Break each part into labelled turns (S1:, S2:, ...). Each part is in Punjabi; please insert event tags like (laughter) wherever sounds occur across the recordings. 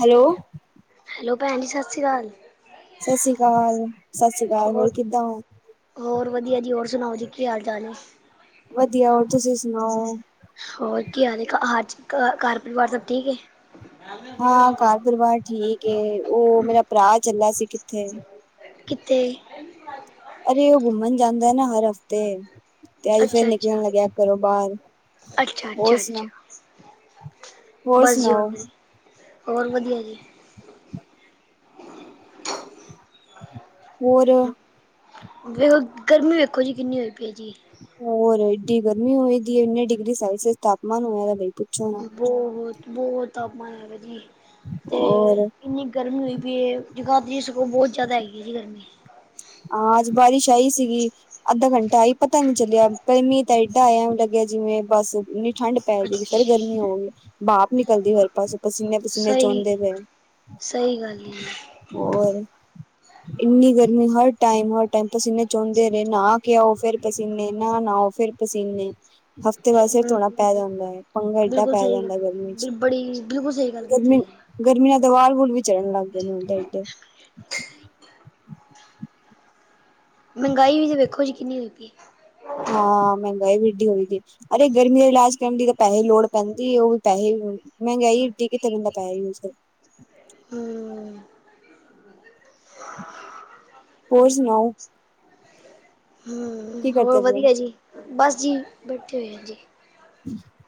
S1: ਹੈਲੋ।
S2: ਹੈਲੋ ਭੈਨ ਜੀ ਸਤਿ ਸ਼੍ਰੀ ਅਕਾਲ।
S1: ਸਤਿ ਸ੍ਰੀ ਕਾਲ- ਸਤਿ ਸ੍ਰੀ ਕਾਲ ਹੋਰ ਕਿੱਦਾਂ ਹੋ?
S2: ਹੋਰ ਵਧੀਆ ਜੀ। ਹੋਰ ਸੁਣਾਓ ਜੀ ਕੀ ਹਾਲ ਚਾਲ ਨੇ?
S1: ਵਧੀਆ ਹੋਰ ਤੁਸੀਂ ਸੁਣਾਓ?
S2: ਹੋਰ ਕੀ ਹਾਲ ਏ (unintelligible) ਘਰ ਪਰਿਵਾਰ ਸਭ ਠੀਕ ਏ?
S1: ਹਾਂ, ਘਰ ਪਰਿਵਾਰ ਠੀਕ ਏ ਔ ਮੇਰਾ ਭਰਾ ਚਲਾ ਸੀ ਕਿੱਥੇ।
S2: ਕਿੱਥੇ?
S1: ਅਰੇ ਔ ਘੁੰਮਨ ਜਾਂਦਾ ਏਨਾ ਹਰ ਹਫ਼ਤੇ। ਤੇ ਅੱਜ ਫਿਰ
S2: ਅੱਛਾ ਅੱਛਾ
S1: ਨਿਕਲਨ ਲੱਗਿਆ ਘਰੋ ਬਾਰ,
S2: ਅੱਛਾ
S1: ਹੋਰ
S2: ਅੱਛਾ
S1: ਸੁਨਾ?
S2: ਅੱਛਾ ਬਸ ਜੀ ਹੋਰ, ਹੋਰ ਵਧੀਆ ਜੀ।
S1: ਹੋਰ।
S2: ਵੇਖੋ ਗਰਮੀ ਵੇਖੋ ਜੀ ਕਿੰਨੀ ਹੋਈ ਪਈ ਏ ਜੀ।
S1: ਹੋਰ ਏਡੀ ਗਰਮੀ ਹੋਏ ਦੀ ਏ, ਉਨੀਂ ਡਿਗਰੀ ਸੈਲਸੀਅਸ ਤਾਪਮਾਨ ਹੋਯਾ ਦਾ ਈ।
S2: ਬੋਤ-ਬੋਤ ਤਾਪਮਾਨ ਹੈਗਾ ਜੀ ਤੇ
S1: ਔਰ
S2: ਇੰਨੀ ਗਰਮੀ ਹੋਈ ਪਈ ਏ। ਜਗਾਧਰੀ ਸਗੋ ਬਹੁਤ ਜ਼ਿਆਦਾ ਹੈਗੀ ਜੀ ਗਰਮੀ।
S1: ਆਂ ਅੱਜ ਬਾਰਿਸ਼ ਆਈ ਸੀਗੀ। ਅੱਧਾ ਘੰਟਾ ਆਈ ਪਤਾ ਈ ਨੀ ਚੱਲਿਆ ਪਰ ਮੀਂ ਤਾਂ ਏਡਾ ਆਯਾ ਐਂਵ ਲੱਗਿਆ ਜਿਵੇਂ ਬਸ ਨੀ ਠੰਡ ਪੈ ਜੇਗੀ, ਫਿਰ ਗਰਮੀ ਹੋਗੀ। ਭਾਪ ਨਿਕਲਦੀ ਹਰੇ ਪਾਸੇ ਪਸੀਨੇ -ਪਸੀਨੇ ਚੋਂਦੇ ਬਏਨ।
S2: ਸਈ ਗੱਲ ਈ ਏ।
S1: ਹੋਰ ਇੰਨੀ ਗਰਮੀ ਹਰ ਟਾਈਮ-ਹਰ ਟਾਈਮ ਪਸੀਨੇ ਚੋਂਦੇ ਰਹੇ ਨਾ ਇਓ ਫੇਰ ਪਸੀਨੇ ਨਾ ਨਾਓ ਫੇਰ ਪਸੀਨੇ। ਹਫ਼ਤੇ ਬਾਦ ਸਿਰ ਧੋਣਾ
S2: ਜੀ।
S1: ਪੈ ਜਾਂਦਾ ਐ ਪੰਗਾ ਏਡਾ
S2: ਬਿਲਕੁਲ
S1: ਪੈ
S2: ਸਹੀ
S1: ਜਾਂਦਾ ਗਰਮੀ ਚ
S2: ਗੱਲ ਬੜੀ ਬਿਲਕੁਲ ਸਹੀ ਗੱਲ
S1: ਗਰਮੀ।
S2: ਕੀਤੀ ਹੈ।
S1: ਗਰਮੀ ਨਾਲ ਤਾਂ ਵਾਲ ਵੁਲ ਵੀ ਝੜਨ ਲੱਗ ਗਏ ਨੇ ਹੁਣ ਤੇ ਏਡੇ।
S2: ਮਹਿੰਗਾਈ ਵੀ ਤੇ ਵੇਖੋ ਜੀ ਕਿੰਨੀ ਹੋਈ ਪਈ ਏ।
S1: ਹਾਂ ਮਹਿੰਗਾਈ ਵੀ ਐਡੀ ਹੋਈ ਦੀ ਅਰੇ ਗਰਮੀ ਦਾ ਇਲਾਜ ਕਰਨ ਦੀ ਤਾਂ ਪੈਸੇ ਲੋੜ ਪੈਂਦੀ ਓ ਵੀ ਪੈਸੇ। ਮਹਿੰਗਾਈ ਏਡੀ ਕਿੱਥੇ ਬੰਦਾ ਪੈਸੇ ਯੂਜ਼ ਕਰੇ।
S2: ਹੂੰ
S1: ਹੋਰ ਸੁਣਾਓ?
S2: ਹੂੰ,
S1: ਕੀ
S2: ਹੋਰ
S1: ਕਰਦੇ ਪਏ ਹੋ
S2: ਵਧੀਆ ਜੀ ਬਸ ਜੀ ਬੈਠੇ ਹੋਏ ਆ ਜੀ।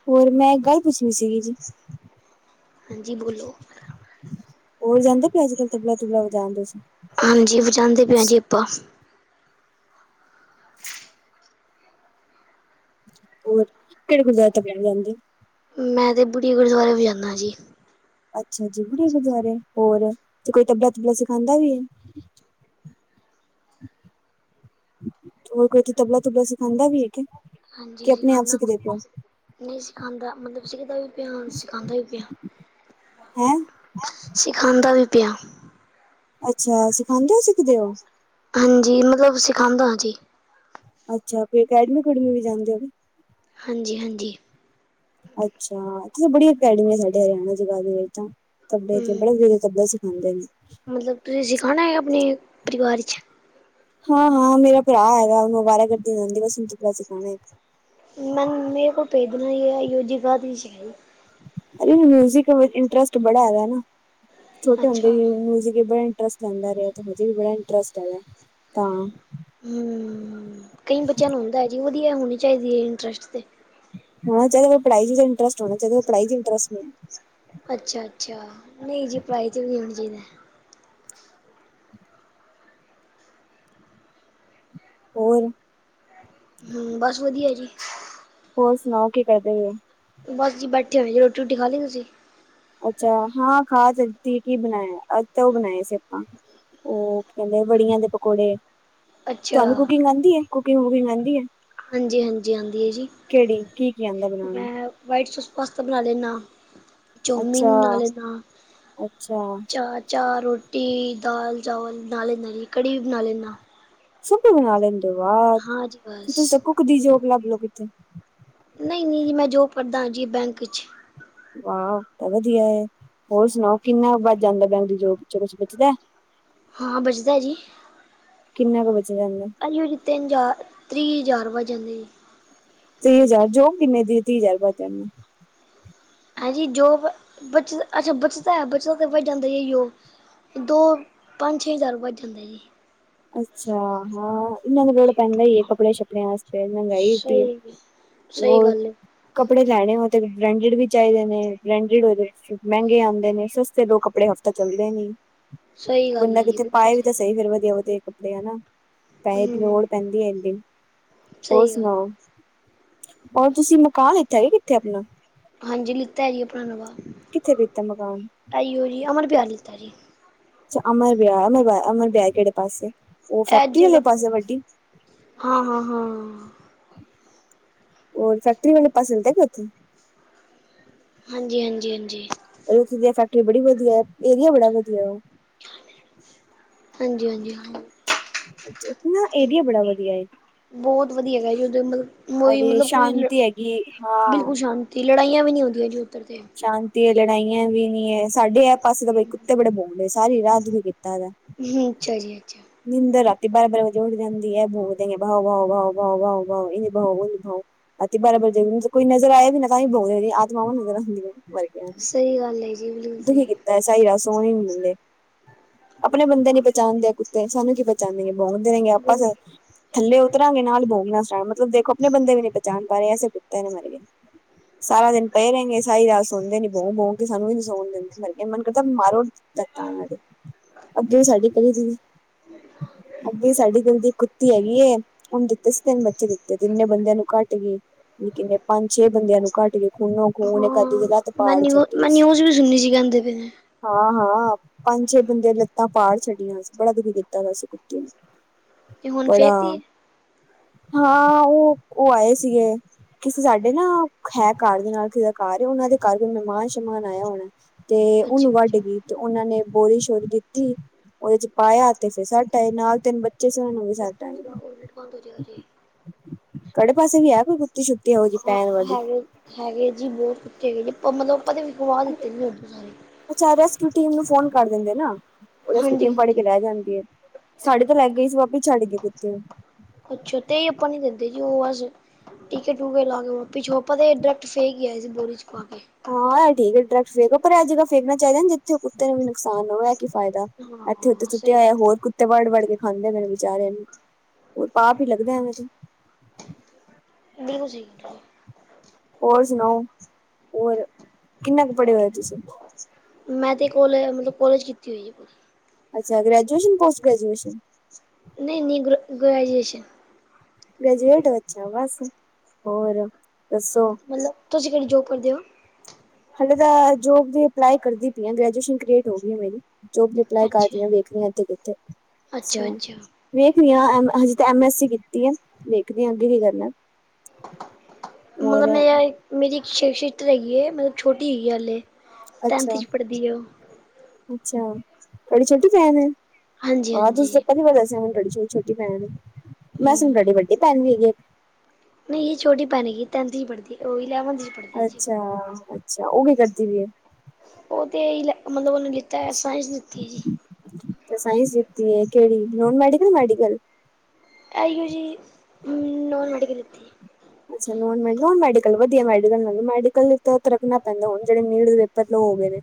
S1: ਹੋਰ ਮੈਂ ਇੱਕ ਗੱਲ ਪੁੱਛਣੀ ਸੀਗੀ ਜੀ।
S2: ਹਾਂਜੀ ਬੋਲੋ
S1: ਹੋਰ ਜਾਂਦਾ ਪਏ ਅੱਜ ਕੱਲ ਤਬਲਾ ਤੁਬਲਾ ਵਜਾਣ ਤੁਸੀਂ।
S2: ਹਾਂਜੀ ਵਜਾਦੇਂ ਪਏ ਆ ਜੀ ਆਪਾਂ।
S1: ਹੋਰ ਕਿਹੜੇ ਜਗ੍ਹਾ ਤਬਲਾ ਵਜਾਂਦੇ?
S2: ਮੈਂ ਤਾਂ ਬੁੱੜੀਆਂ ਗੁਰਦੁਆਰੇ ਵਜਾਂਨਾ ਜੀ।
S1: ਅੱਛਾ ਜੀ (unintelligible) ਹੋਰ ਤੇ ਕੋਈ ਤਬਲਾ ਤੁਬਲਾ ਸਿਖਾਂਦਾ ਵੀ ਐ। ਹੋਰ ਕੋਈ ਓਥੇ ਤਬਲਾ ਤੁਬਲਾ ਸਿਖਾਂਦਾ ਵੀ ਐ ਕੇ?
S2: ਹਾਂਜੀ ਸਿਖਾਂਦਾ (unintelligible) ਨਈ ਸਿਖਾਂਦਾ ਮਤਲਬ ਸਿੱਖਦਾ ਵੀ ਪਿਆ ਸਿਖਾਂਦਾ ਵੀ ਪਿਆ।
S1: ਹੈਂ?
S2: ਸਿਖਾਂਦਾ ਵੀ ਪਿਆ।
S1: ਅੱਛਾ, ਸਿਖਾਂਦੇ ਓ ਸਿੱਖਦੇ ਓ?
S2: ਹਾਂਜੀ, ਮਤਲਬ ਸਿਖਾਂਦਾ ਜੀ।
S1: ਅੱਛਾ, ਕੋਈ ਅਕੈਡਮੀ ਅਕੂਡਮੀ ਵੀ ਜਾਂਦੇ ਓ ਕੀ?
S2: ਹਾਂਜੀ ਹਾਂਜੀ।
S1: ਅੱਛਾ, ਇੱਥੇ ਤਾਂ ਬੜੀ ਅਕੈਡਮੀ ਹੈਗੀਆਂ (unintelligible) ਜਗਾਧਰੀ ਦੇ ਵਿੱਚ ਤਬਲੇ ਤੁਬਲੇ ਬੜੇ
S2: ਹੂੰ
S1: ਵਧੇਰੇ ਤਬਲੇ ਸਿਖਾਂਦੇ ਨੇ।
S2: ਮਤਲਬ ਤੁਸੀਂ ਸਿਖਾਣਾ ਐ ਆਪਣੇ ਪਰਿਵਾਰ 'ਚ।
S1: ਹਾਂ ਹਾਂ, ਮੇਰਾ ਭਰਾ ਹੈਗਾ ਉਹਨੂੰ ਅਵਾਰਾ ਗਰਦੀ ਆਂਦੀ ਬਸ ਓਹਨੂੰ ਤਬਲਾ ਸਿਖਾਣਾ।
S2: ਮੈਨ ਮੇਰੇ ਕੋਲ ਭੇਜ ਦੇਣਾ ਇਈਓ (unintelligible) ਜਗਾਧਰੀ ਚ ਹੈਗਾ।
S1: ਉਹਨੂੰ ਮਿਊਜਿਕ ਲ ਇੰਟਰਸਟ ਬੜਾ ਹੈਗਾ ਨਾ ਛੋਟੇ ਹੁੰਦੇ ਈ ਮਿਊਜਿਕ ਬ ਇੰਟਰਸਟ ਲੈਂਦਾ ਰਿਹਾ ਤੇ ਹਜੇ ਵੀ ਬੜਾ ਇੰਟਰਸਟ ਹੈਗਾ ਤਾਂ
S2: ਹੂੰ, ਕਈ ਬੱਚਿਆਂ ਨੂੰ ਹੁੰਦਾ ਐ ਜੀ ਵਧੀਆ ਹੋਣੀ ਚਾਹੀਦੀ ਐ ਇੰਟਰਸਟ ਤੇ।
S1: ਓਹੀ ਤਾਂ ਹੈਗਾ ਪੜ੍ਹਾਈ ਚ ਇੰਟਰਸਟ ਹੋਣਾ ਚਾਹੀਦਾ ਪੜ੍ਹਾਈ ਚ ਇੰਟਰਸਟ ਨੀ।
S2: ਅੱਛਾ ਅੱਛਾ, ਨਹੀਂ ਜੀ ਪੜ੍ਹਾਈ ਚ ਵੀ ਹੋਣਾ ਚਾਹੀਦਾ।
S1: ਹੋਰ
S2: ਹੂੰ, ਬਸ ਵਧੀਆ ਜੀ।
S1: ਹੋਰ ਸੁਣਾਓ ਕੀ ਕਰਦੇ ਪਏ ਓ।
S2: ਬਸ ਜੀ ਬੈਠੇ ਹੋਏ ਜੀ ਰੋਟੀ ਰੂਟੀ ਖਾਲੀ ਤੁਸੀਂ?
S1: ਅੱਛਾ ਹਾਂ ਖਾ ਤੇ ਲਿਤੀ ਏ ਕਿ ਬਣਾਇਆ ਅੱਜ ਤਾਂ ਓ ਬਣਾਏ ਸੀ ਆਪਾਂ। ਉਹ ਕੀ ਕਹਿੰਦੇ ਬੜੀਆਂ ਦੇ ਪਕੌੜੇ
S2: ਅੱਛਾ
S1: ਤੁਹਾਨੂੰ ਕੁਕਿੰਗ ਆਂਦੀ ਐ ਕੁਕਿੰਗ ਵੁਕਿੰਗ ਆਂਦੀ ਏ।
S2: ਹਾਂਜੀ ਹਾਂਜੀ, ਆਂਦੀ ਐ ਜੀ
S1: ਕੀ ਕੀ ਆਂਦਾ ਬਣਾਣਾ
S2: ਮੈਂ ਵਾਈਟ ਸੋਸ ਪਾਸਤਾ ਬਣਾ ਲੈਨਾ। ਚੌਮੀਨ ਬਣਾ
S1: ਅੱਛਾ,
S2: ਲੈਨਾ
S1: ਅੱਛਾ
S2: ਚਾਹ ਚਾਹ ਰੋ ਟੀ, ਦਾਲ ਚਾਵਲ ਬਣਾ ਲੈਨਾ ਜੀ ਕੜੀ ਵੀ ਬਣਾ ਲੈਨਾ।
S1: ਸਭ ਕੁਛ ਬਣਾ ਲੈਂਦੇ ਓ ਵਾਹ
S2: ਹਾਂ ਜੀ
S1: ਤੇ
S2: ਬਸ
S1: ਤੁਸੀਂ ਤਾਂ ਕੁੱਕ ਦੀ ਜੋਬ ਲੱਭਲੋ ਕਿੱਥੇ।
S2: ਨਹੀਂ ਨਹੀਂ ਜੀ ਮੈਂ ਜੋਬ ਕਰਦਾਂ ਜੀ ਬੈਂਕ ਚ।
S1: ਵਾਓ ਵਧੀਆ ਐ ਹੋਰ ਸੁਣਾਓ ਕਿੰਨਾ ਬਚ ਜਾਂਦਾ ਬੈਂਕ ਦੀ ਜੋਬ ਚੋਂ ਕੁਛ ਬਚਦਾ।
S2: ਹਾਂ, ਬਚਦਾ ਜੀ।
S1: ਕਿੰਨਾ ਕੁ ਬਚ ਜਾਂਦਾ।
S2: ਹਾਂਜੀ-ਹਾਂਜੀ, ਤਿੰਨ ਹਜ਼ਾਰ ਤੀਹ ਹਜ਼ਾਰ ਬਚ ਜਾਂਦੇ ਜੀ।
S1: ਤੀਹ ਹਜ਼ਾਰ ਜੋਬ ਕਿਨੇ ਦੀ ਏ ਤੀਹ ਹਜ਼ਾਰ ਬਚ ਜਾਂਦੇ ਨੇ।
S2: ਹਾਂਜੀ ਜੋਬ ਬਚ ਅੱਛਾ ਬਚਦਾ ਬਚੋ ਤਾਂ ਬਚ ਜਾਂਦਾ ਜੀ ਜੋਬ ਦੋ-ਪੰਜ-ਛੇ ਹਜ਼ਾਰ ਬਚ ਜਾਂਦਾ ਜੀ।
S1: ਅੱਛਾ ਹਾਂ ਏਨਾਂ ਦਾ ਲੋੜ ਪੈਂਦਾ ਈ ਏ ਕੱਪੜੇ ਸ਼ੱਪੜਿਆਂ ਆਸਤੇ ਮਹਿੰਗਾਈ ਐਡੀ ਏ।
S2: ਸਹੀ ਸਹੀ
S1: ਹੋਰ।
S2: ਗੱਲ ਹੈ
S1: ਕੱਪੜੇ ਲੈਣੇ ਹੋਣ ਤੇ ਬ੍ਰਾਂਡਿਡ ਵੀ ਚਾਹੀਦੇ ਨੇ ਬ੍ਰਾਂਡਿਡ ਹੋਏ ਮਹਿੰਗੇ ਆਂਦੇ ਨੇ ਸਸਤੇ ਲੋ ਕੱਪੜੇ ਤਾਂ ਚੱਲਦੇ ਨੀ,
S2: ਸਹੀ ਗੱਲ
S1: ਬੰਦਾ
S2: ਹੈ ਜੀ
S1: ਕਿਤੇ
S2: ਬਿਲਕੁਲ
S1: ਪਾਏ ਵੀ ਤਾਂ ਸਹੀ ਫਿਰ ਵਧੀਆ-ਵਧੀਆ ਕੱਪੜੇ ਹੈਨਾ। ਪੈਸੇ ਦੀ
S2: ਹਮ
S1: ਲੋੜ ਪੈਂਦੀ ਏਡੀ, ਹੋਰ
S2: ਸਹੀ ਗੱਲ
S1: ਸੁਣਾਓ? ਔਰ ਤੁਸੀਂ ਮਕਾਨ ਲਿੱਤਾ ਏ ਕਿੱਥੇ ਆਪਣਾਂ?
S2: ਹਾਂਜੀ ਲਿੱਤਾ ਏ ਆਪਣਾ ਨਵਾ।
S1: ਕਿੱਥੇ ਲਿੱਤਾ ਮਕਾਨ?
S2: ਐਈ ਓ ਜੀ, ਅਮਰ ਬਿਆਰ ਲਿੱਤਾ ਜੀ।
S1: ਅੱਛਾ ਅਮਰ ਵਿਆਰ ਲਗਦਾ ਅਮਰ ਵਿਆਰ ਕੇੜੇ ਪਾਸੇਂ ਓ ਫੈਕਟਰੀ ਆਲੇ ਪਾਸੇਂ ਵੱਡੀ
S2: ਹਾਂ-ਹਾਂ-ਹਾਂ।
S1: ਹੋਰ ਫੈਕਟਰੀ ਵਾਲੇ ਪਾਸੇ ਲਿਤਾ ਕਿ ਓੱਥੇ
S2: ਹਾਂਜੀ-ਹਾਂਜੀ-ਹਾਂਜੀ।
S1: ਓਖੇ ਦੀ ਫੈਕਟਰੀ ਬੜੀ ਵਧੀਆ, ਏਰੀਆ ਬੜਾ ਵਧੀਆ ਓ
S2: ਹਾਂਜੀ-ਹਾਂਜੀ, ਹਾਂ।
S1: ਓਥੇ ਨਾ ਏਰੀਆ ਬੜਾ ਵਧੀਆ ਏ।
S2: ਬੋਤ ਵਧੀਆ ਹੇਗਾ ਜੀ, ਓਧਰ ਮਤਲਬ ਓਹੀ
S1: ਅਰੇ
S2: ਮਤਲਬ ਕੋਈ
S1: ਸ਼ਾਂਤੀ ਹੈਗੀ ਹਾਂ
S2: ਬਿਲਕੁਲ ਸ਼ਾਂਤ ਤੀ ਲੜਾਇਆ ਵੀ ਹੁੰਦੀਆਂ ਜੀ ਓਧਰ ਤੇ
S1: ਸ਼ਾਂਤੀ ਏ, ਲੜਾਈਆਂ ਵੀ ਨੀ ਏ, ਸਾਡੇ ਇਹ ਪਾਸੇ ਤਾਂ ਬਈ ਕੁੱਤੇ ਬੜੇ ਪੋਕਦੇਂ ਨੇ ਸਾਰੀ ਰਾਤ ਦੁਖੀਂ ਕਿਤਾ ਦਾ।
S2: ਹੂੰ, ਅੱਛਾ ਜੀ ਅੱਛਾ।
S1: ਨਿੰਦਰ ਰਾਤੀ ਬਾਰਾਂ-ਬਾਰਾਂ ਵਜੇ ਉੱਠ ਜਾਂਦੀ ਐ ਪੋਕਦੇਂ ਨੇ ਭਾਓ-ਭਾਓ-ਭਾਓ-ਭਾਓ-ਭਾਓ-ਭਾਓ ਏਵੀ ਭਾੳ ਓਵੀ ਭਾੳ ਰਾਤੀ ਬਾਰਾਂ ਬਜੇ ਮੀਨਸ ਕੋਈ ਨਜ਼ਰ ਆਏ ਵੀ ਨਾ ਤਾਂਵੀ ਭੌਂਕਦੇ ਰਹੇ ਆਤਮਾਵਾਂ ਵਡੇਰਾ ਹੁੰਦੀਆਂ ਨੇ
S2: ਸਹੀ ਗੱਲ ਹੈ ਜੀ ਬਿਲਕੁਲ ਸਹੀ
S1: (inaudible) ਐਸਾ ਈ ਆ ਸੋਹਣ ਹੀ ਨੀ ਦਿੰਦੇ, ਆਪਣੇ ਬੰਦੇ ਨੀ ਪਚਾਣਦੇ ਕੁੱਤੇ ਸਾਨੂੰ ਕੀ ਪ ਪੇਚਾਣਗੇ ਭੌਂਕਦੇ ਰਹਿਣਗੇ ਆਪਸ
S2: ਬਿਲ
S1: ਅ ਥੱਲੇ ਉਤਰਾਂਗੇ ਨਾਲ ਬੋਗਣਾ ਸ਼ਟਾਟ ਮਤਲਬ ਦੇਖੋ, ਆਪਣੇ ਬੰਦੇ ਵੀ ਨਈ ਪਚਾਣ ਪਾ ਰਹੇ, ਐਸੇ ਕੁੱਤੇ ਨੇ ਮਰ ਗਏ। ਸਾਰਾ ਦਿਨ ਪਏ ਰਏਗੇ ਸਾਰੀ ਰਾਤ ਸੁਣਦੇ ਨੀ ਬੋਕ ਬੋਕ ਕੇ ਸਾਨੂੰ ਵੀ ਨੀ ਸੋਣ ਦਿੰਦੇ ਮਰਗੇ ਮਨ ਕਰਦਾ ਮਾਰੋਂ (unintelligible) ਅੱਗੇ ਵੀ ਸਾਡੀ ਗਲੀ ਦੀ ਅੱਗੇ ਸਾਡੀ ਗਲੀ ਦੀ ਕੁੱਤੀ ਹੈਗੀ ਏ। ਓਨ ਦਿੱਤੇ ਸੀ ਤਿੰਨ ਬੱਚੇ ਦਿੱਤੇ, ਕਿੰਨੇ ਬੰਦਿਆਂ ਨੂੰ ਘੱਟ ਗਈ। ਕਿਨੇ ਪੰਜ-ਛੇ ਬੰਦਿਆਂ ਨੂੰ ਕਟਗੇ ਨੇ ਖੂਨੋ ਖੂਨ ਅੱਧੇ ਦੀ ਲੱਤ
S2: ਹਾਂ ਮੈਂ
S1: ਪਾੜ
S2: ਨਿਊ ਮੈਂ ਨਿਊਜ਼ ਵੀ ਸੁਣਲੀ ਸੀ ਕਹਦੇ ਪੇ ਨੇ
S1: ਹਾਂ-ਹਾਂ, ਪੰਜ-ਛੇ ਬੰਦੇ ਦੀਆਂ ਲੱਤਾਂ ਪਾੜ ਛੱਡੀਆਂ ਸੀ, ਬੜਾ ਦੁਖੀ ਕੀਤਾ ਦਾ ਸੀ ਕੁੱਤੀ ਨੇ
S2: ਤੇ ਹੁਣ
S1: ਬੜਾ,
S2: ਫੇਕਤੀ ਹੈ।
S1: ਹਾਂ ਓਹ ਓਹ ਆਏ ਸੀਗੇ ਕਿਸੇ ਸਾਡੇ ਨਾ ਹੈ ਘਰ ਦੇ ਨਾਲ ਕਿਸੇ ਦਾ ਘਰ, ਓਨਾਂ ਦੇ ਘਰ ਕੋਈ ਮਹਿਮਾਨ ਸਹਿਮਾਨ ਆਯਾ ਹੋਣਾ ਤੇ ਓਨੂੰ
S2: ਅੱਛਾ
S1: ਵੱਢ ਗਈ ਤੇ ਓਨਾਂ ਨੇ ਬੋਰੀ ਸ਼ੋਰੀ ਦਿੱਤੀ ਓਦੇ ਚ ਪਾਇਆ ਤੇ ਫਿਰ ਸਾਟ ਆਏ ਨਾਲ ਤਿੰਨ ਬੱਚੇ ਸੀ, ਉਹ ਨੂੰ ਵੀ ਸਾਟ ਆਏ ਨੇ
S2: ਅੱਛਾ ਉਲਟ ਬੰਦ ਹੋ ਜਾਏਗਾ ਜੀ
S1: ਤਾਵਡੇ ਪਾਸੇ ਵੀ ਹੈ, ਕੋਈ ਕੁੁੱਤੀ ਸ਼ੁੱਤੀ ਹੋ ਗਈ ਪੈਣ ਵਾਲੀ
S2: ਹਾਂ ਹੈਗੇ ਹੈਗੇ ਜੀ ਬਹੁਤ ਤੇਜ ਮਤਲਬ ਆਪਾਂ ਨੇ ਵਿਖਵਾ ਦਿੱਤੇ ਨੇ ਉਦੋਂ ਸਾਰੇ
S1: ਅੱਛਾ, ਰੈਸਕਿਊ ਟੀਮ ਨੂੰ ਫੋਨ ਕਰ ਦਿੰਦੇ ਨਾ ਉਹ ਰੈਸਕਿਊ
S2: ਹਾਂਜੀ
S1: ਟੀਮ ਫੜ੍ਹ ਕੇ
S2: ਹਾਂਜੀ
S1: ਲੈ ਜਾਂਦੀਏ ਸਾਡੇ ਤਾਂ ਲੈ ਗਏ ਸੀ, ਵਾਪਿਸ ਛੱਡ ਗਏ ਕੁੱਤੇ
S2: ਅੱਛਾ, ਤੇ ਆਪਾਂ ਨੀ ਦਿੰਦੇ ਜੀ ਉਹ ਅਜ ਟੀਕੇ ਟੂਕੇ ਲਾ ਕੇ ਪੀਛੋ ਆਪਾਂ ਡਾਇਰੈਕਟ ਫੇਕ ਹੀ ਆਏ ਸੀ, ਬੋਰੀ ਚ ਪਾ ਕੇ
S1: ਹਾਂ ਇਹ ਠੀਕ ਹੈ, ਡਰੈਕਟ ਫੇਕੋ ਪਰ ਇਹ ਜਗ੍ਹਾ ਫੇਕਣਾ ਚਾਈਦਾ ਜਿੱਥੇ ਕੁੱਤੇ ਨੂੰ ਵੀ ਨੁਕਸਾਨ ਨਾ ਹੋਏ, ਇਹ ਕੀ ਫਾਇਦਾ ਇੱਥੇ ਉੱਥੇ
S2: ਹਾਂ ਸਹੀ
S1: ਸੁੱਟਿਆ ਹੋਇਆ
S2: ਗੱਲ
S1: ਹੋਰ ਕੁੱਤੇ ਵੜ ਵੜ ਕੇ ਖਾਂਦੇ ਨੇ ਬੇਚਾਰੇ ਨੂੰ ਪਾਪ ਹੀ ਲੱਗਦਾ ਐਵੇਂ ਤੇ
S2: (unintelligible)
S1: ਹੋਰ ਸੁਣਾਓ? ਹੋਰ ਕਿੰਨਾ ਕੁ ਪੜ੍ਹੇ ਹੋਏ ਤੁਸੀਂ?
S2: ਮੈਂ ਤੇ ਕੋਲੇ ਮਤਲਬ ਕੋਲੇਜ ਕੀਤੀ ਹੋਈ ਜੀ
S1: ਅੱਛਾ ਗ੍ਰੈਜੂਏਸ਼ਨ ਪੋਸਟ ਗ੍ਰੈਜੂਏਸ਼ਨ
S2: ਨਹੀਂ, ਨਹੀਂ ਗ ਗ੍ਰੈਜੂਏਸ਼ਨ
S1: ਗ੍ਰੈਜੂਏਟ ਹੋ, ਅੱਛਾ ਬਸ ਹੋਰ ਦੱਸੋ?
S2: ਮਤਲਬ, ਤੁਸੀਂ ਕੇੜੀ ਜੋਬ ਕਰਦੇ ਹੋ?
S1: ਹਲੇੇ ਤਾਂ ਜੋਬ ਦੀ ਅਪਲਾਈ ਕਰਦੀ ਪਈ ਆ, ਗ੍ਰੈਜੂਏਸ਼ਨ ਕਲੀਟ ਹੋ ਗਈ ਹੈ, ਮੇਰੀ ਜੋਬ ਦੀ ਮੈਂ
S2: ਅੱਛਾ।
S1: ਕਰਦੀਆਂ ਵੇਖਣੀ ਜੀ ਕਿੱਥੇ, ਅੱਛਾ ਜੀ। ਵੇਖਣੀ ਅ ਹਜੇ ਤਾਂ ਐਮ ਐਸ ਸੀ ਕੀਤੀ ਆ। ਵੇਖਦੀ ਹਾਂ ਅੱਗੇ ਕੀ ਕਰਨਾ। ਹੋਰ
S2: ਮਤਲਬ ਮੇਰੀ ਇੱਕ ਸ਼ਿਸਟਰ ਹੈਗੀ, ਮਤਲਬ ਛੋਟੀ ਹੈਗੀ ਹਾਲੇ। ਟੈਂਨਥ
S1: ਅੱਛਾ,
S2: 'ਚ ਪੜ੍ਹਦੀ ਹੈ ਉਹ
S1: ਅੱਛਾ ਤੁਹਾਡੀ ਛੋਟੀ ਭੈਣ ਏ।
S2: ਹਾਂਜੀ
S1: ਹਾਂ, ਤੁਸੀਂ ਤਾਂ
S2: ਹਾਂਜੀ
S1: ਪੈਲੀ ਵਾਰ ਦੱਸਿਆ। ਮੈਨੂੰ ਤੁਹਾਡੀ ਕੋਈ ਛੋਟੀ ਭੈਣ ਏ। ਮੈਂ ਸੁਣਿਆ ਹੁਣ,
S2: ਹੂੰ
S1: ਤੁਹਾਡੀ ਵੱਡੀ ਭੈਣ ਵੀ ਹੈਗੀ ਏ ਇੱਕ।
S2: ਨਹੀਂ, ਇਹ ਛੋਟੀ ਭੈਣ ਹੈਗੀ, ਟੈਂਨਥ ਚ ਹੀ ਪੜ੍ਹਦੀ ਏ, ਉਹ ਇਲੈਵਨਥ 'ਚ ਪੜ੍ਹਦੀ ਹੈ ਜੀ।
S1: ਅੱਛਾ, ਅੱਛਾ ਉਹ ਕੀ ਕਰਦੀ ਪਈ ਏ।
S2: ਉਹ 'ਤੇ ਇਹੀ, ਮਤਲਬ ਉਹਨੇ ਲਿੱਤਾ ਹੋਇਆ ਏ ਸਾਇੰਸ ਲਿੱਤੀ ਜੀ।
S1: 'ਤੇ ਸਾਇੰਸ ਲਿੱਤੀ ਏ, ਕਿਹੜੀ ਨੋਨ ਮੈਡੀਕਲ, ਮੈਡੀਕਲ
S2: ਆਈਓ ਜੀ, ਨੋਨ ਮੈਡੀਕਲ ਲਿੱਤੀ ਏ।
S1: ਅੱਛਾ ਨੋਨ ਮੈਡੀਕਲ, ਨੋਨ ਮੇਡੀਕਲ ਵਧੀਆ। ਮੈਡੀਕਲ ਵਿੱਚ ਤਾਂ ਤਰਕਣਾ ਪੈਂਦਾ, ਹੁਣ ਜਿਹੜੇ ਨੀਟ ਦੇ ਪੇਪਰ ਲੋ ਗਏ ਨੇ।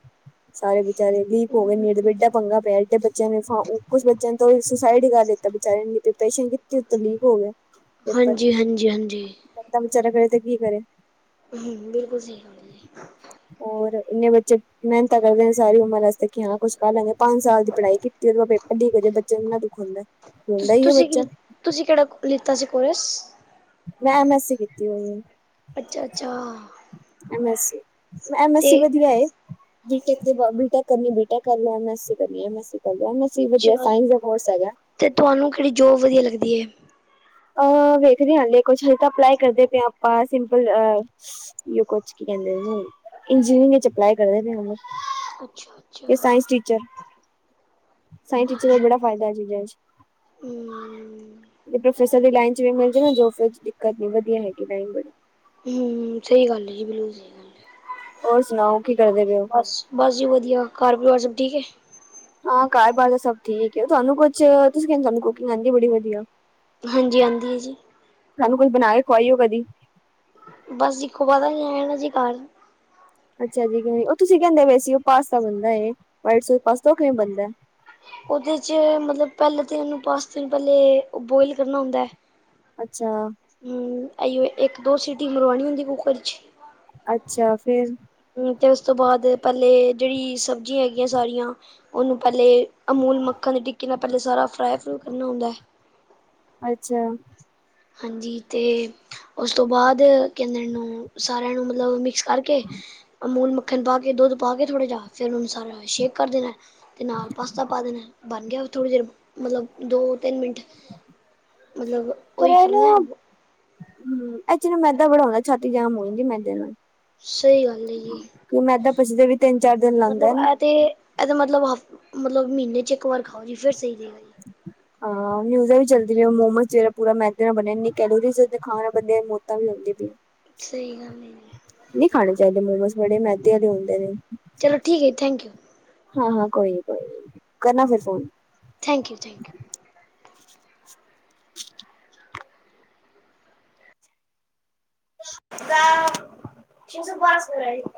S1: ਸਾਰੇ ਬੇਚਾਰੇ ਲੀਕ ਹੋ ਗਏ,
S2: ਹੂੰ
S1: ਨੀਟ ਏਡਾ ਪੰਗਾ ਪਿਆ ਜਦ - ਬੱਚਿਆਂ ਸਾ ਓ, ਕੁਛ ਬੱਚਿਆਂ ਨੇ ਤਾਂ ਸੁਸਾਈਡ ਹੀ ਕਰ ਦਿੱਤਾ। ਬੇਚਾਰੇ ਡਿਪਰੈਸ਼ਨ ਵਿੱਚ -
S2: ਹਾਂਜੀ- ਹਾਂਜੀ -ਹਾਂਜੀ।
S1: ਤਾਂ ਵਿਚਾਰਾ ਕਰੇ' ਤੇ ਕੀ ਕਰੇ?
S2: ਹਮ- ਬਿਲਕੁਲ ਸਹੀ ਗੱਲ ਏ।
S1: ਔਰ ਇੰਨੇ ਬੱਚੇ ਮੇਹਨਤ ਤਾ ਕਰਦੇ ਨੇ, ਸਾਰੀ ਉਮਰ ਵਾਸਤੇ ਕਿ ਹਾਂ ਕੁਛ- ਪੈਂਲਾ ਓਹਨੇ ਪੰਜ ਸਾਲ ਦੀ ਪੜ੍ਹਾਈ ਕੀਤੀ। ਓਧਰੋਂ ਪੇਪਰ ਲੀਕ ਹੋ, ਜੇ ਬੱਚੇ ਨੂੰ ਇਨ੍ਹਾਂ ਦੁੱਖ ਹੁੰਦਾ। ਰੋਂਦਾ ਹੀ ਹੈ
S2: ਤੁਸੀਂ ਕੀ
S1: ਬੱਚਾ
S2: -ਤੁਸੀਂ ਕਿਹੜਾ ਲਿੱਤਾ ਸੀ ਕੋਰਸ?
S1: ਮੈਂ ਐਮ-ਐਸ-ਸੀ ਕੀਤੀ ਹੋਈ ਏ।
S2: ਅੱਛਾ-ਅੱਛਾ
S1: M- S -C, M -S -C
S2: ਤੇ
S1: ਵਧੀਆ ਏ। ਬੀ-ਟੈਕ ਦੇ ਬਾਦ ਬੀ-ਟੈਕ ਕਰਨੀ, ਬੀ-ਟੈਕ ਕਰ ਲਉ। ਐਮ ਐਸ ਸੀ ਕਰਨੀ, ਐਮ-ਐਸ- ਸੀ ਕਰ ਲਉ। ਪੈਲੋਂ ਨਈ ਸੀ, ਵਧੀਆ
S2: ਅੱਛਾ
S1: ਸਾਇੰਸ ਦਾ ਕੋਰਸ ਹੈਗਾ।
S2: 'ਤੇ ਤੁਹਾਨੂੰ ਕੇੜੀ ਜੋਬ ਵਧੀਆ ਲੱਗਦੀ ਏ।
S1: ਅ -ਵੇਖਦੇ ਆਂ ਹਾਲੇ ਕੁਛ ਹਲਕਾਂ ਅਪਲਾਈ ਕਰਦੇ ਪਏ ਆਂ ਆਪਾਂ ਸਿੰਪਲ ਅ - ਈਓਂ ਕੁੱਛ ਕੀ ਕੈਂਦੇ ਨੀ, ਇੰਜੀਨੀਰਿੰਗ ਵਿਚ ਅਪਲਾਈ ਕਰਦੇ ਪਏ ਆਂ ਹੁਣ।
S2: ਅੱਛਾ-ਅੱਛਾ,
S1: ਇਹ ਸਾਇੰਸ ਟੀਚਰ-ਸਾਇੰਸ ਟੀਚਰ ਦਾ
S2: ਅੱਛਾ
S1: ਬੜਾ ਫਾਇਦਾ ਏ ਚੀਜ਼ਾਂ ਚ -
S2: ਹੂੰ -
S1: ਪ੍ਰੋਫੈਸਰ ਦੀ ਲਾਈਨ ਚ ਵੀ ਮਿਲ ਜਾਏ ਨਾ ਜੋਬ, ਫਿਰ ਦਿੱਕਤ ਨਹੀਂ ਵਧੀਆ ਹੈਗੀ ਲਾਈਨ ਬੜੀ।
S2: ਹੂੰ - ਸਹੀ ਗੱਲ ਜੀ, ਬਿਲਕੁਲ ਸਹੀ ਗੱਲ ਏ।
S1: ਔਰ ਸੁਣਾਓ ਕੀ ਕਰਦੇ ਪਓ?
S2: ਬਸ, ਬਸ ਜੀ ਵਧੀਆ, ਘਰ ਪਰਿਵਾਰ ਸਭ ਠੀਕ ਏ।
S1: ਹਾਂ, ਘਰ-ਬਾਰ ਤੇ ਸਭ ਠੀਕ ਏ, ਤੁਹਾਨੂੰ ਕੁਛ ਤੁਸੀਂ ਕਹਿੰਦੇ ਤੁਹਾਨੂੰ ਕੁਕਿੰਗ ਆਂਦੀ ਬੜੀ ਵਧੀਆ।
S2: ਹਾਂਜੀ, ਆਂਦੀ ਐ ਜੀ।
S1: ਸਾਨੂੰ ਕੁਝ ਬਣਾ ਕੇ ਖਵਾਈਓ ਕਦੀ।
S2: ਬਸ ਜੀ ਖਵਾਦਾਂਗੇ, ਆਣਾ ਜੀ ਘਰ।
S1: ਅੱਛਾ ਜੀ, ਕਿਵੇਂ ਉਹ ਤੁਸੀਂ ਕਹਿੰਦੇ ਪਏ ਸੀ। ਉਹ ਪਾਸਤਾ ਬਣਦਾ ਏ, ਵ੍ਹਾਈਟ ਸੋਸ ਪਾਸਤਾ ਕਿਵੇਂ ਬਣਦਾ।
S2: ਉਹਦੇ ਚ ਮਤਲਬ, ਪਹਿਲੇ ਤੇ ਇੱਨੂੰ ਪਾਸਤੇ ਨੂੰ ਪਹਿਲੇ ਬੋਇਲ ਕਰਨਾ ਹੁੰਦਾ ਐ।
S1: ਅੱਛਾ।
S2: ਹਂ, ਆਇਓ ਇੱਕ ਦੋ ਸੀਟੀ ਮਰਵਾਣੀ ਹੁੰਦੀ ਕੂੱਕਰ ਚ।
S1: ਅੱਛਾ, ਫਿਰ
S2: ਹਂ ਤੇ ਉਸ ਤੋਂ ਬਾਅਦ ਪਹਿਲੇ ਜਿਹੜੀ ਸਬਜ਼ੀਆਂ ਹੈਗੀਆਂ ਸਾਰੀਆਂ ਉਹਨੂੰ ਪਹਿਲੇ ਅਮੂਲ ਮੱਖਣ ਦੀ ਟਿੱਕੀ ਨਾਲ ਪਹਿਲੇ ਸਾਰਾ ਫਰਾਈ-ਫਰੂ ਕਰਨਾ ਹੁੰਦਾ ਐ।
S1: ਅੱਛਾ।
S2: ਹਾਂਜੀ ਤੇ ਉਸ ਤੋਂ ਬਾਅਦ ਕਹਿੰਦੇ ਇਨੂੰ ਸਾਰਿਆਂ ਨੂੰ ਮਤਲਬ, ਮਿਕਸ ਕਰਕੇ ਅਮੂਲ ਮੱਖਣ ਮੱਖਣ ਪਾ ਕੇ, ਦੁੱਧ ਪਾ ਕੇ, ਥੋੜ੍ਹਾ ਜਿਹਾ ਫਿਰ ਉਹਨੂੰ ਸਾਰਾ ਸ਼ੇਕ ਕਰ ਦੇਣਾ ਤੇ ਨਾਲ ਪਾਸਤਾ ਪਾ ਦੇਣਾ। ਬਣ ਗਿਆ, ਥੋੜ੍ਹੀ ਦੇਰ ਮਤਲਬ, ਦੋ-ਤਿੰਨ ਮਿੰਟ ਮਤਲਬ
S1: ਪਰ
S2: ਉਹੀ
S1: ਉਨੂੰ
S2: ਕਰਨਾ
S1: ਹਂ, ਇਹ ਚ ਮੈਦਾ ਬੜਾ ਹੁੰਦਾ, ਛਾਤੀ ਜਾਮ ਹੋ ਜਾਂਦੀ ਮੈਦੇ ਨਾ
S2: ਸਹੀ ਗੱਲ ਹੈ ਜੀ
S1: ਕਿ ਮੈਂਦਾਂ ਪਚੱਦੇ ਵੀ ਤਿੰਨ-ਚਾਰ ਦਿਨ ਲਾਂਦਾ ਐ
S2: ਮਤਲਬ
S1: ਨਾ।
S2: ਇਹ ਤੇ ਇਹ ਤਾਂ ਮਤਲਬ ਹਫ ਮਤਲਬ ਮਹੀਨੇ ਚ ਇੱਕ ਵਾਰ ਖਾਓ ਜੀ ਫਿਰ ਸਹੀ ਰਏਗਾ।
S1: ਹਾਂ ਨਿਊਜ਼ਾਂ ਵੀ ਚੱਲਦੀ ਪੀਆਂ ਮੋਮੋਸ ਜੇੜਾ ਪੂਰਾ ਮੈਦੇ ਨਾਲ ਬਣਿਆ ਇੰਨੀ ਕੈਲੋਰੀਜ਼ ਖਾਣ ਨਾਲ ਬੰਦੇ ਦੀਆਂ ਮੌਤਾਂ ਵੀ ਹੁੰਦੀ ਪਈ।
S2: ਸਹੀ ਗੱਲ ਐ।
S1: ਨ੍ਹੀਂ ਖਾਣੇ ਚਾਈਦੇ ਮੋਮੋਸ ਬੜੇ ਮੈਦੇ ਆਦੇ ਹੁੰਦੇ ਨੇ।
S2: ਚਲੋ ਠੀਕ ਐ ਥੈਂਕ ਯੂ।
S1: ਹਾਂ ਹਾਂ ਕੋਈ ਨੀ ਕੋਈ ਨੀ, ਕਰਨਾ ਫਿਰ phone.
S2: Thank you, thank you.
S1: (unintelligible) Bus (unintelligible)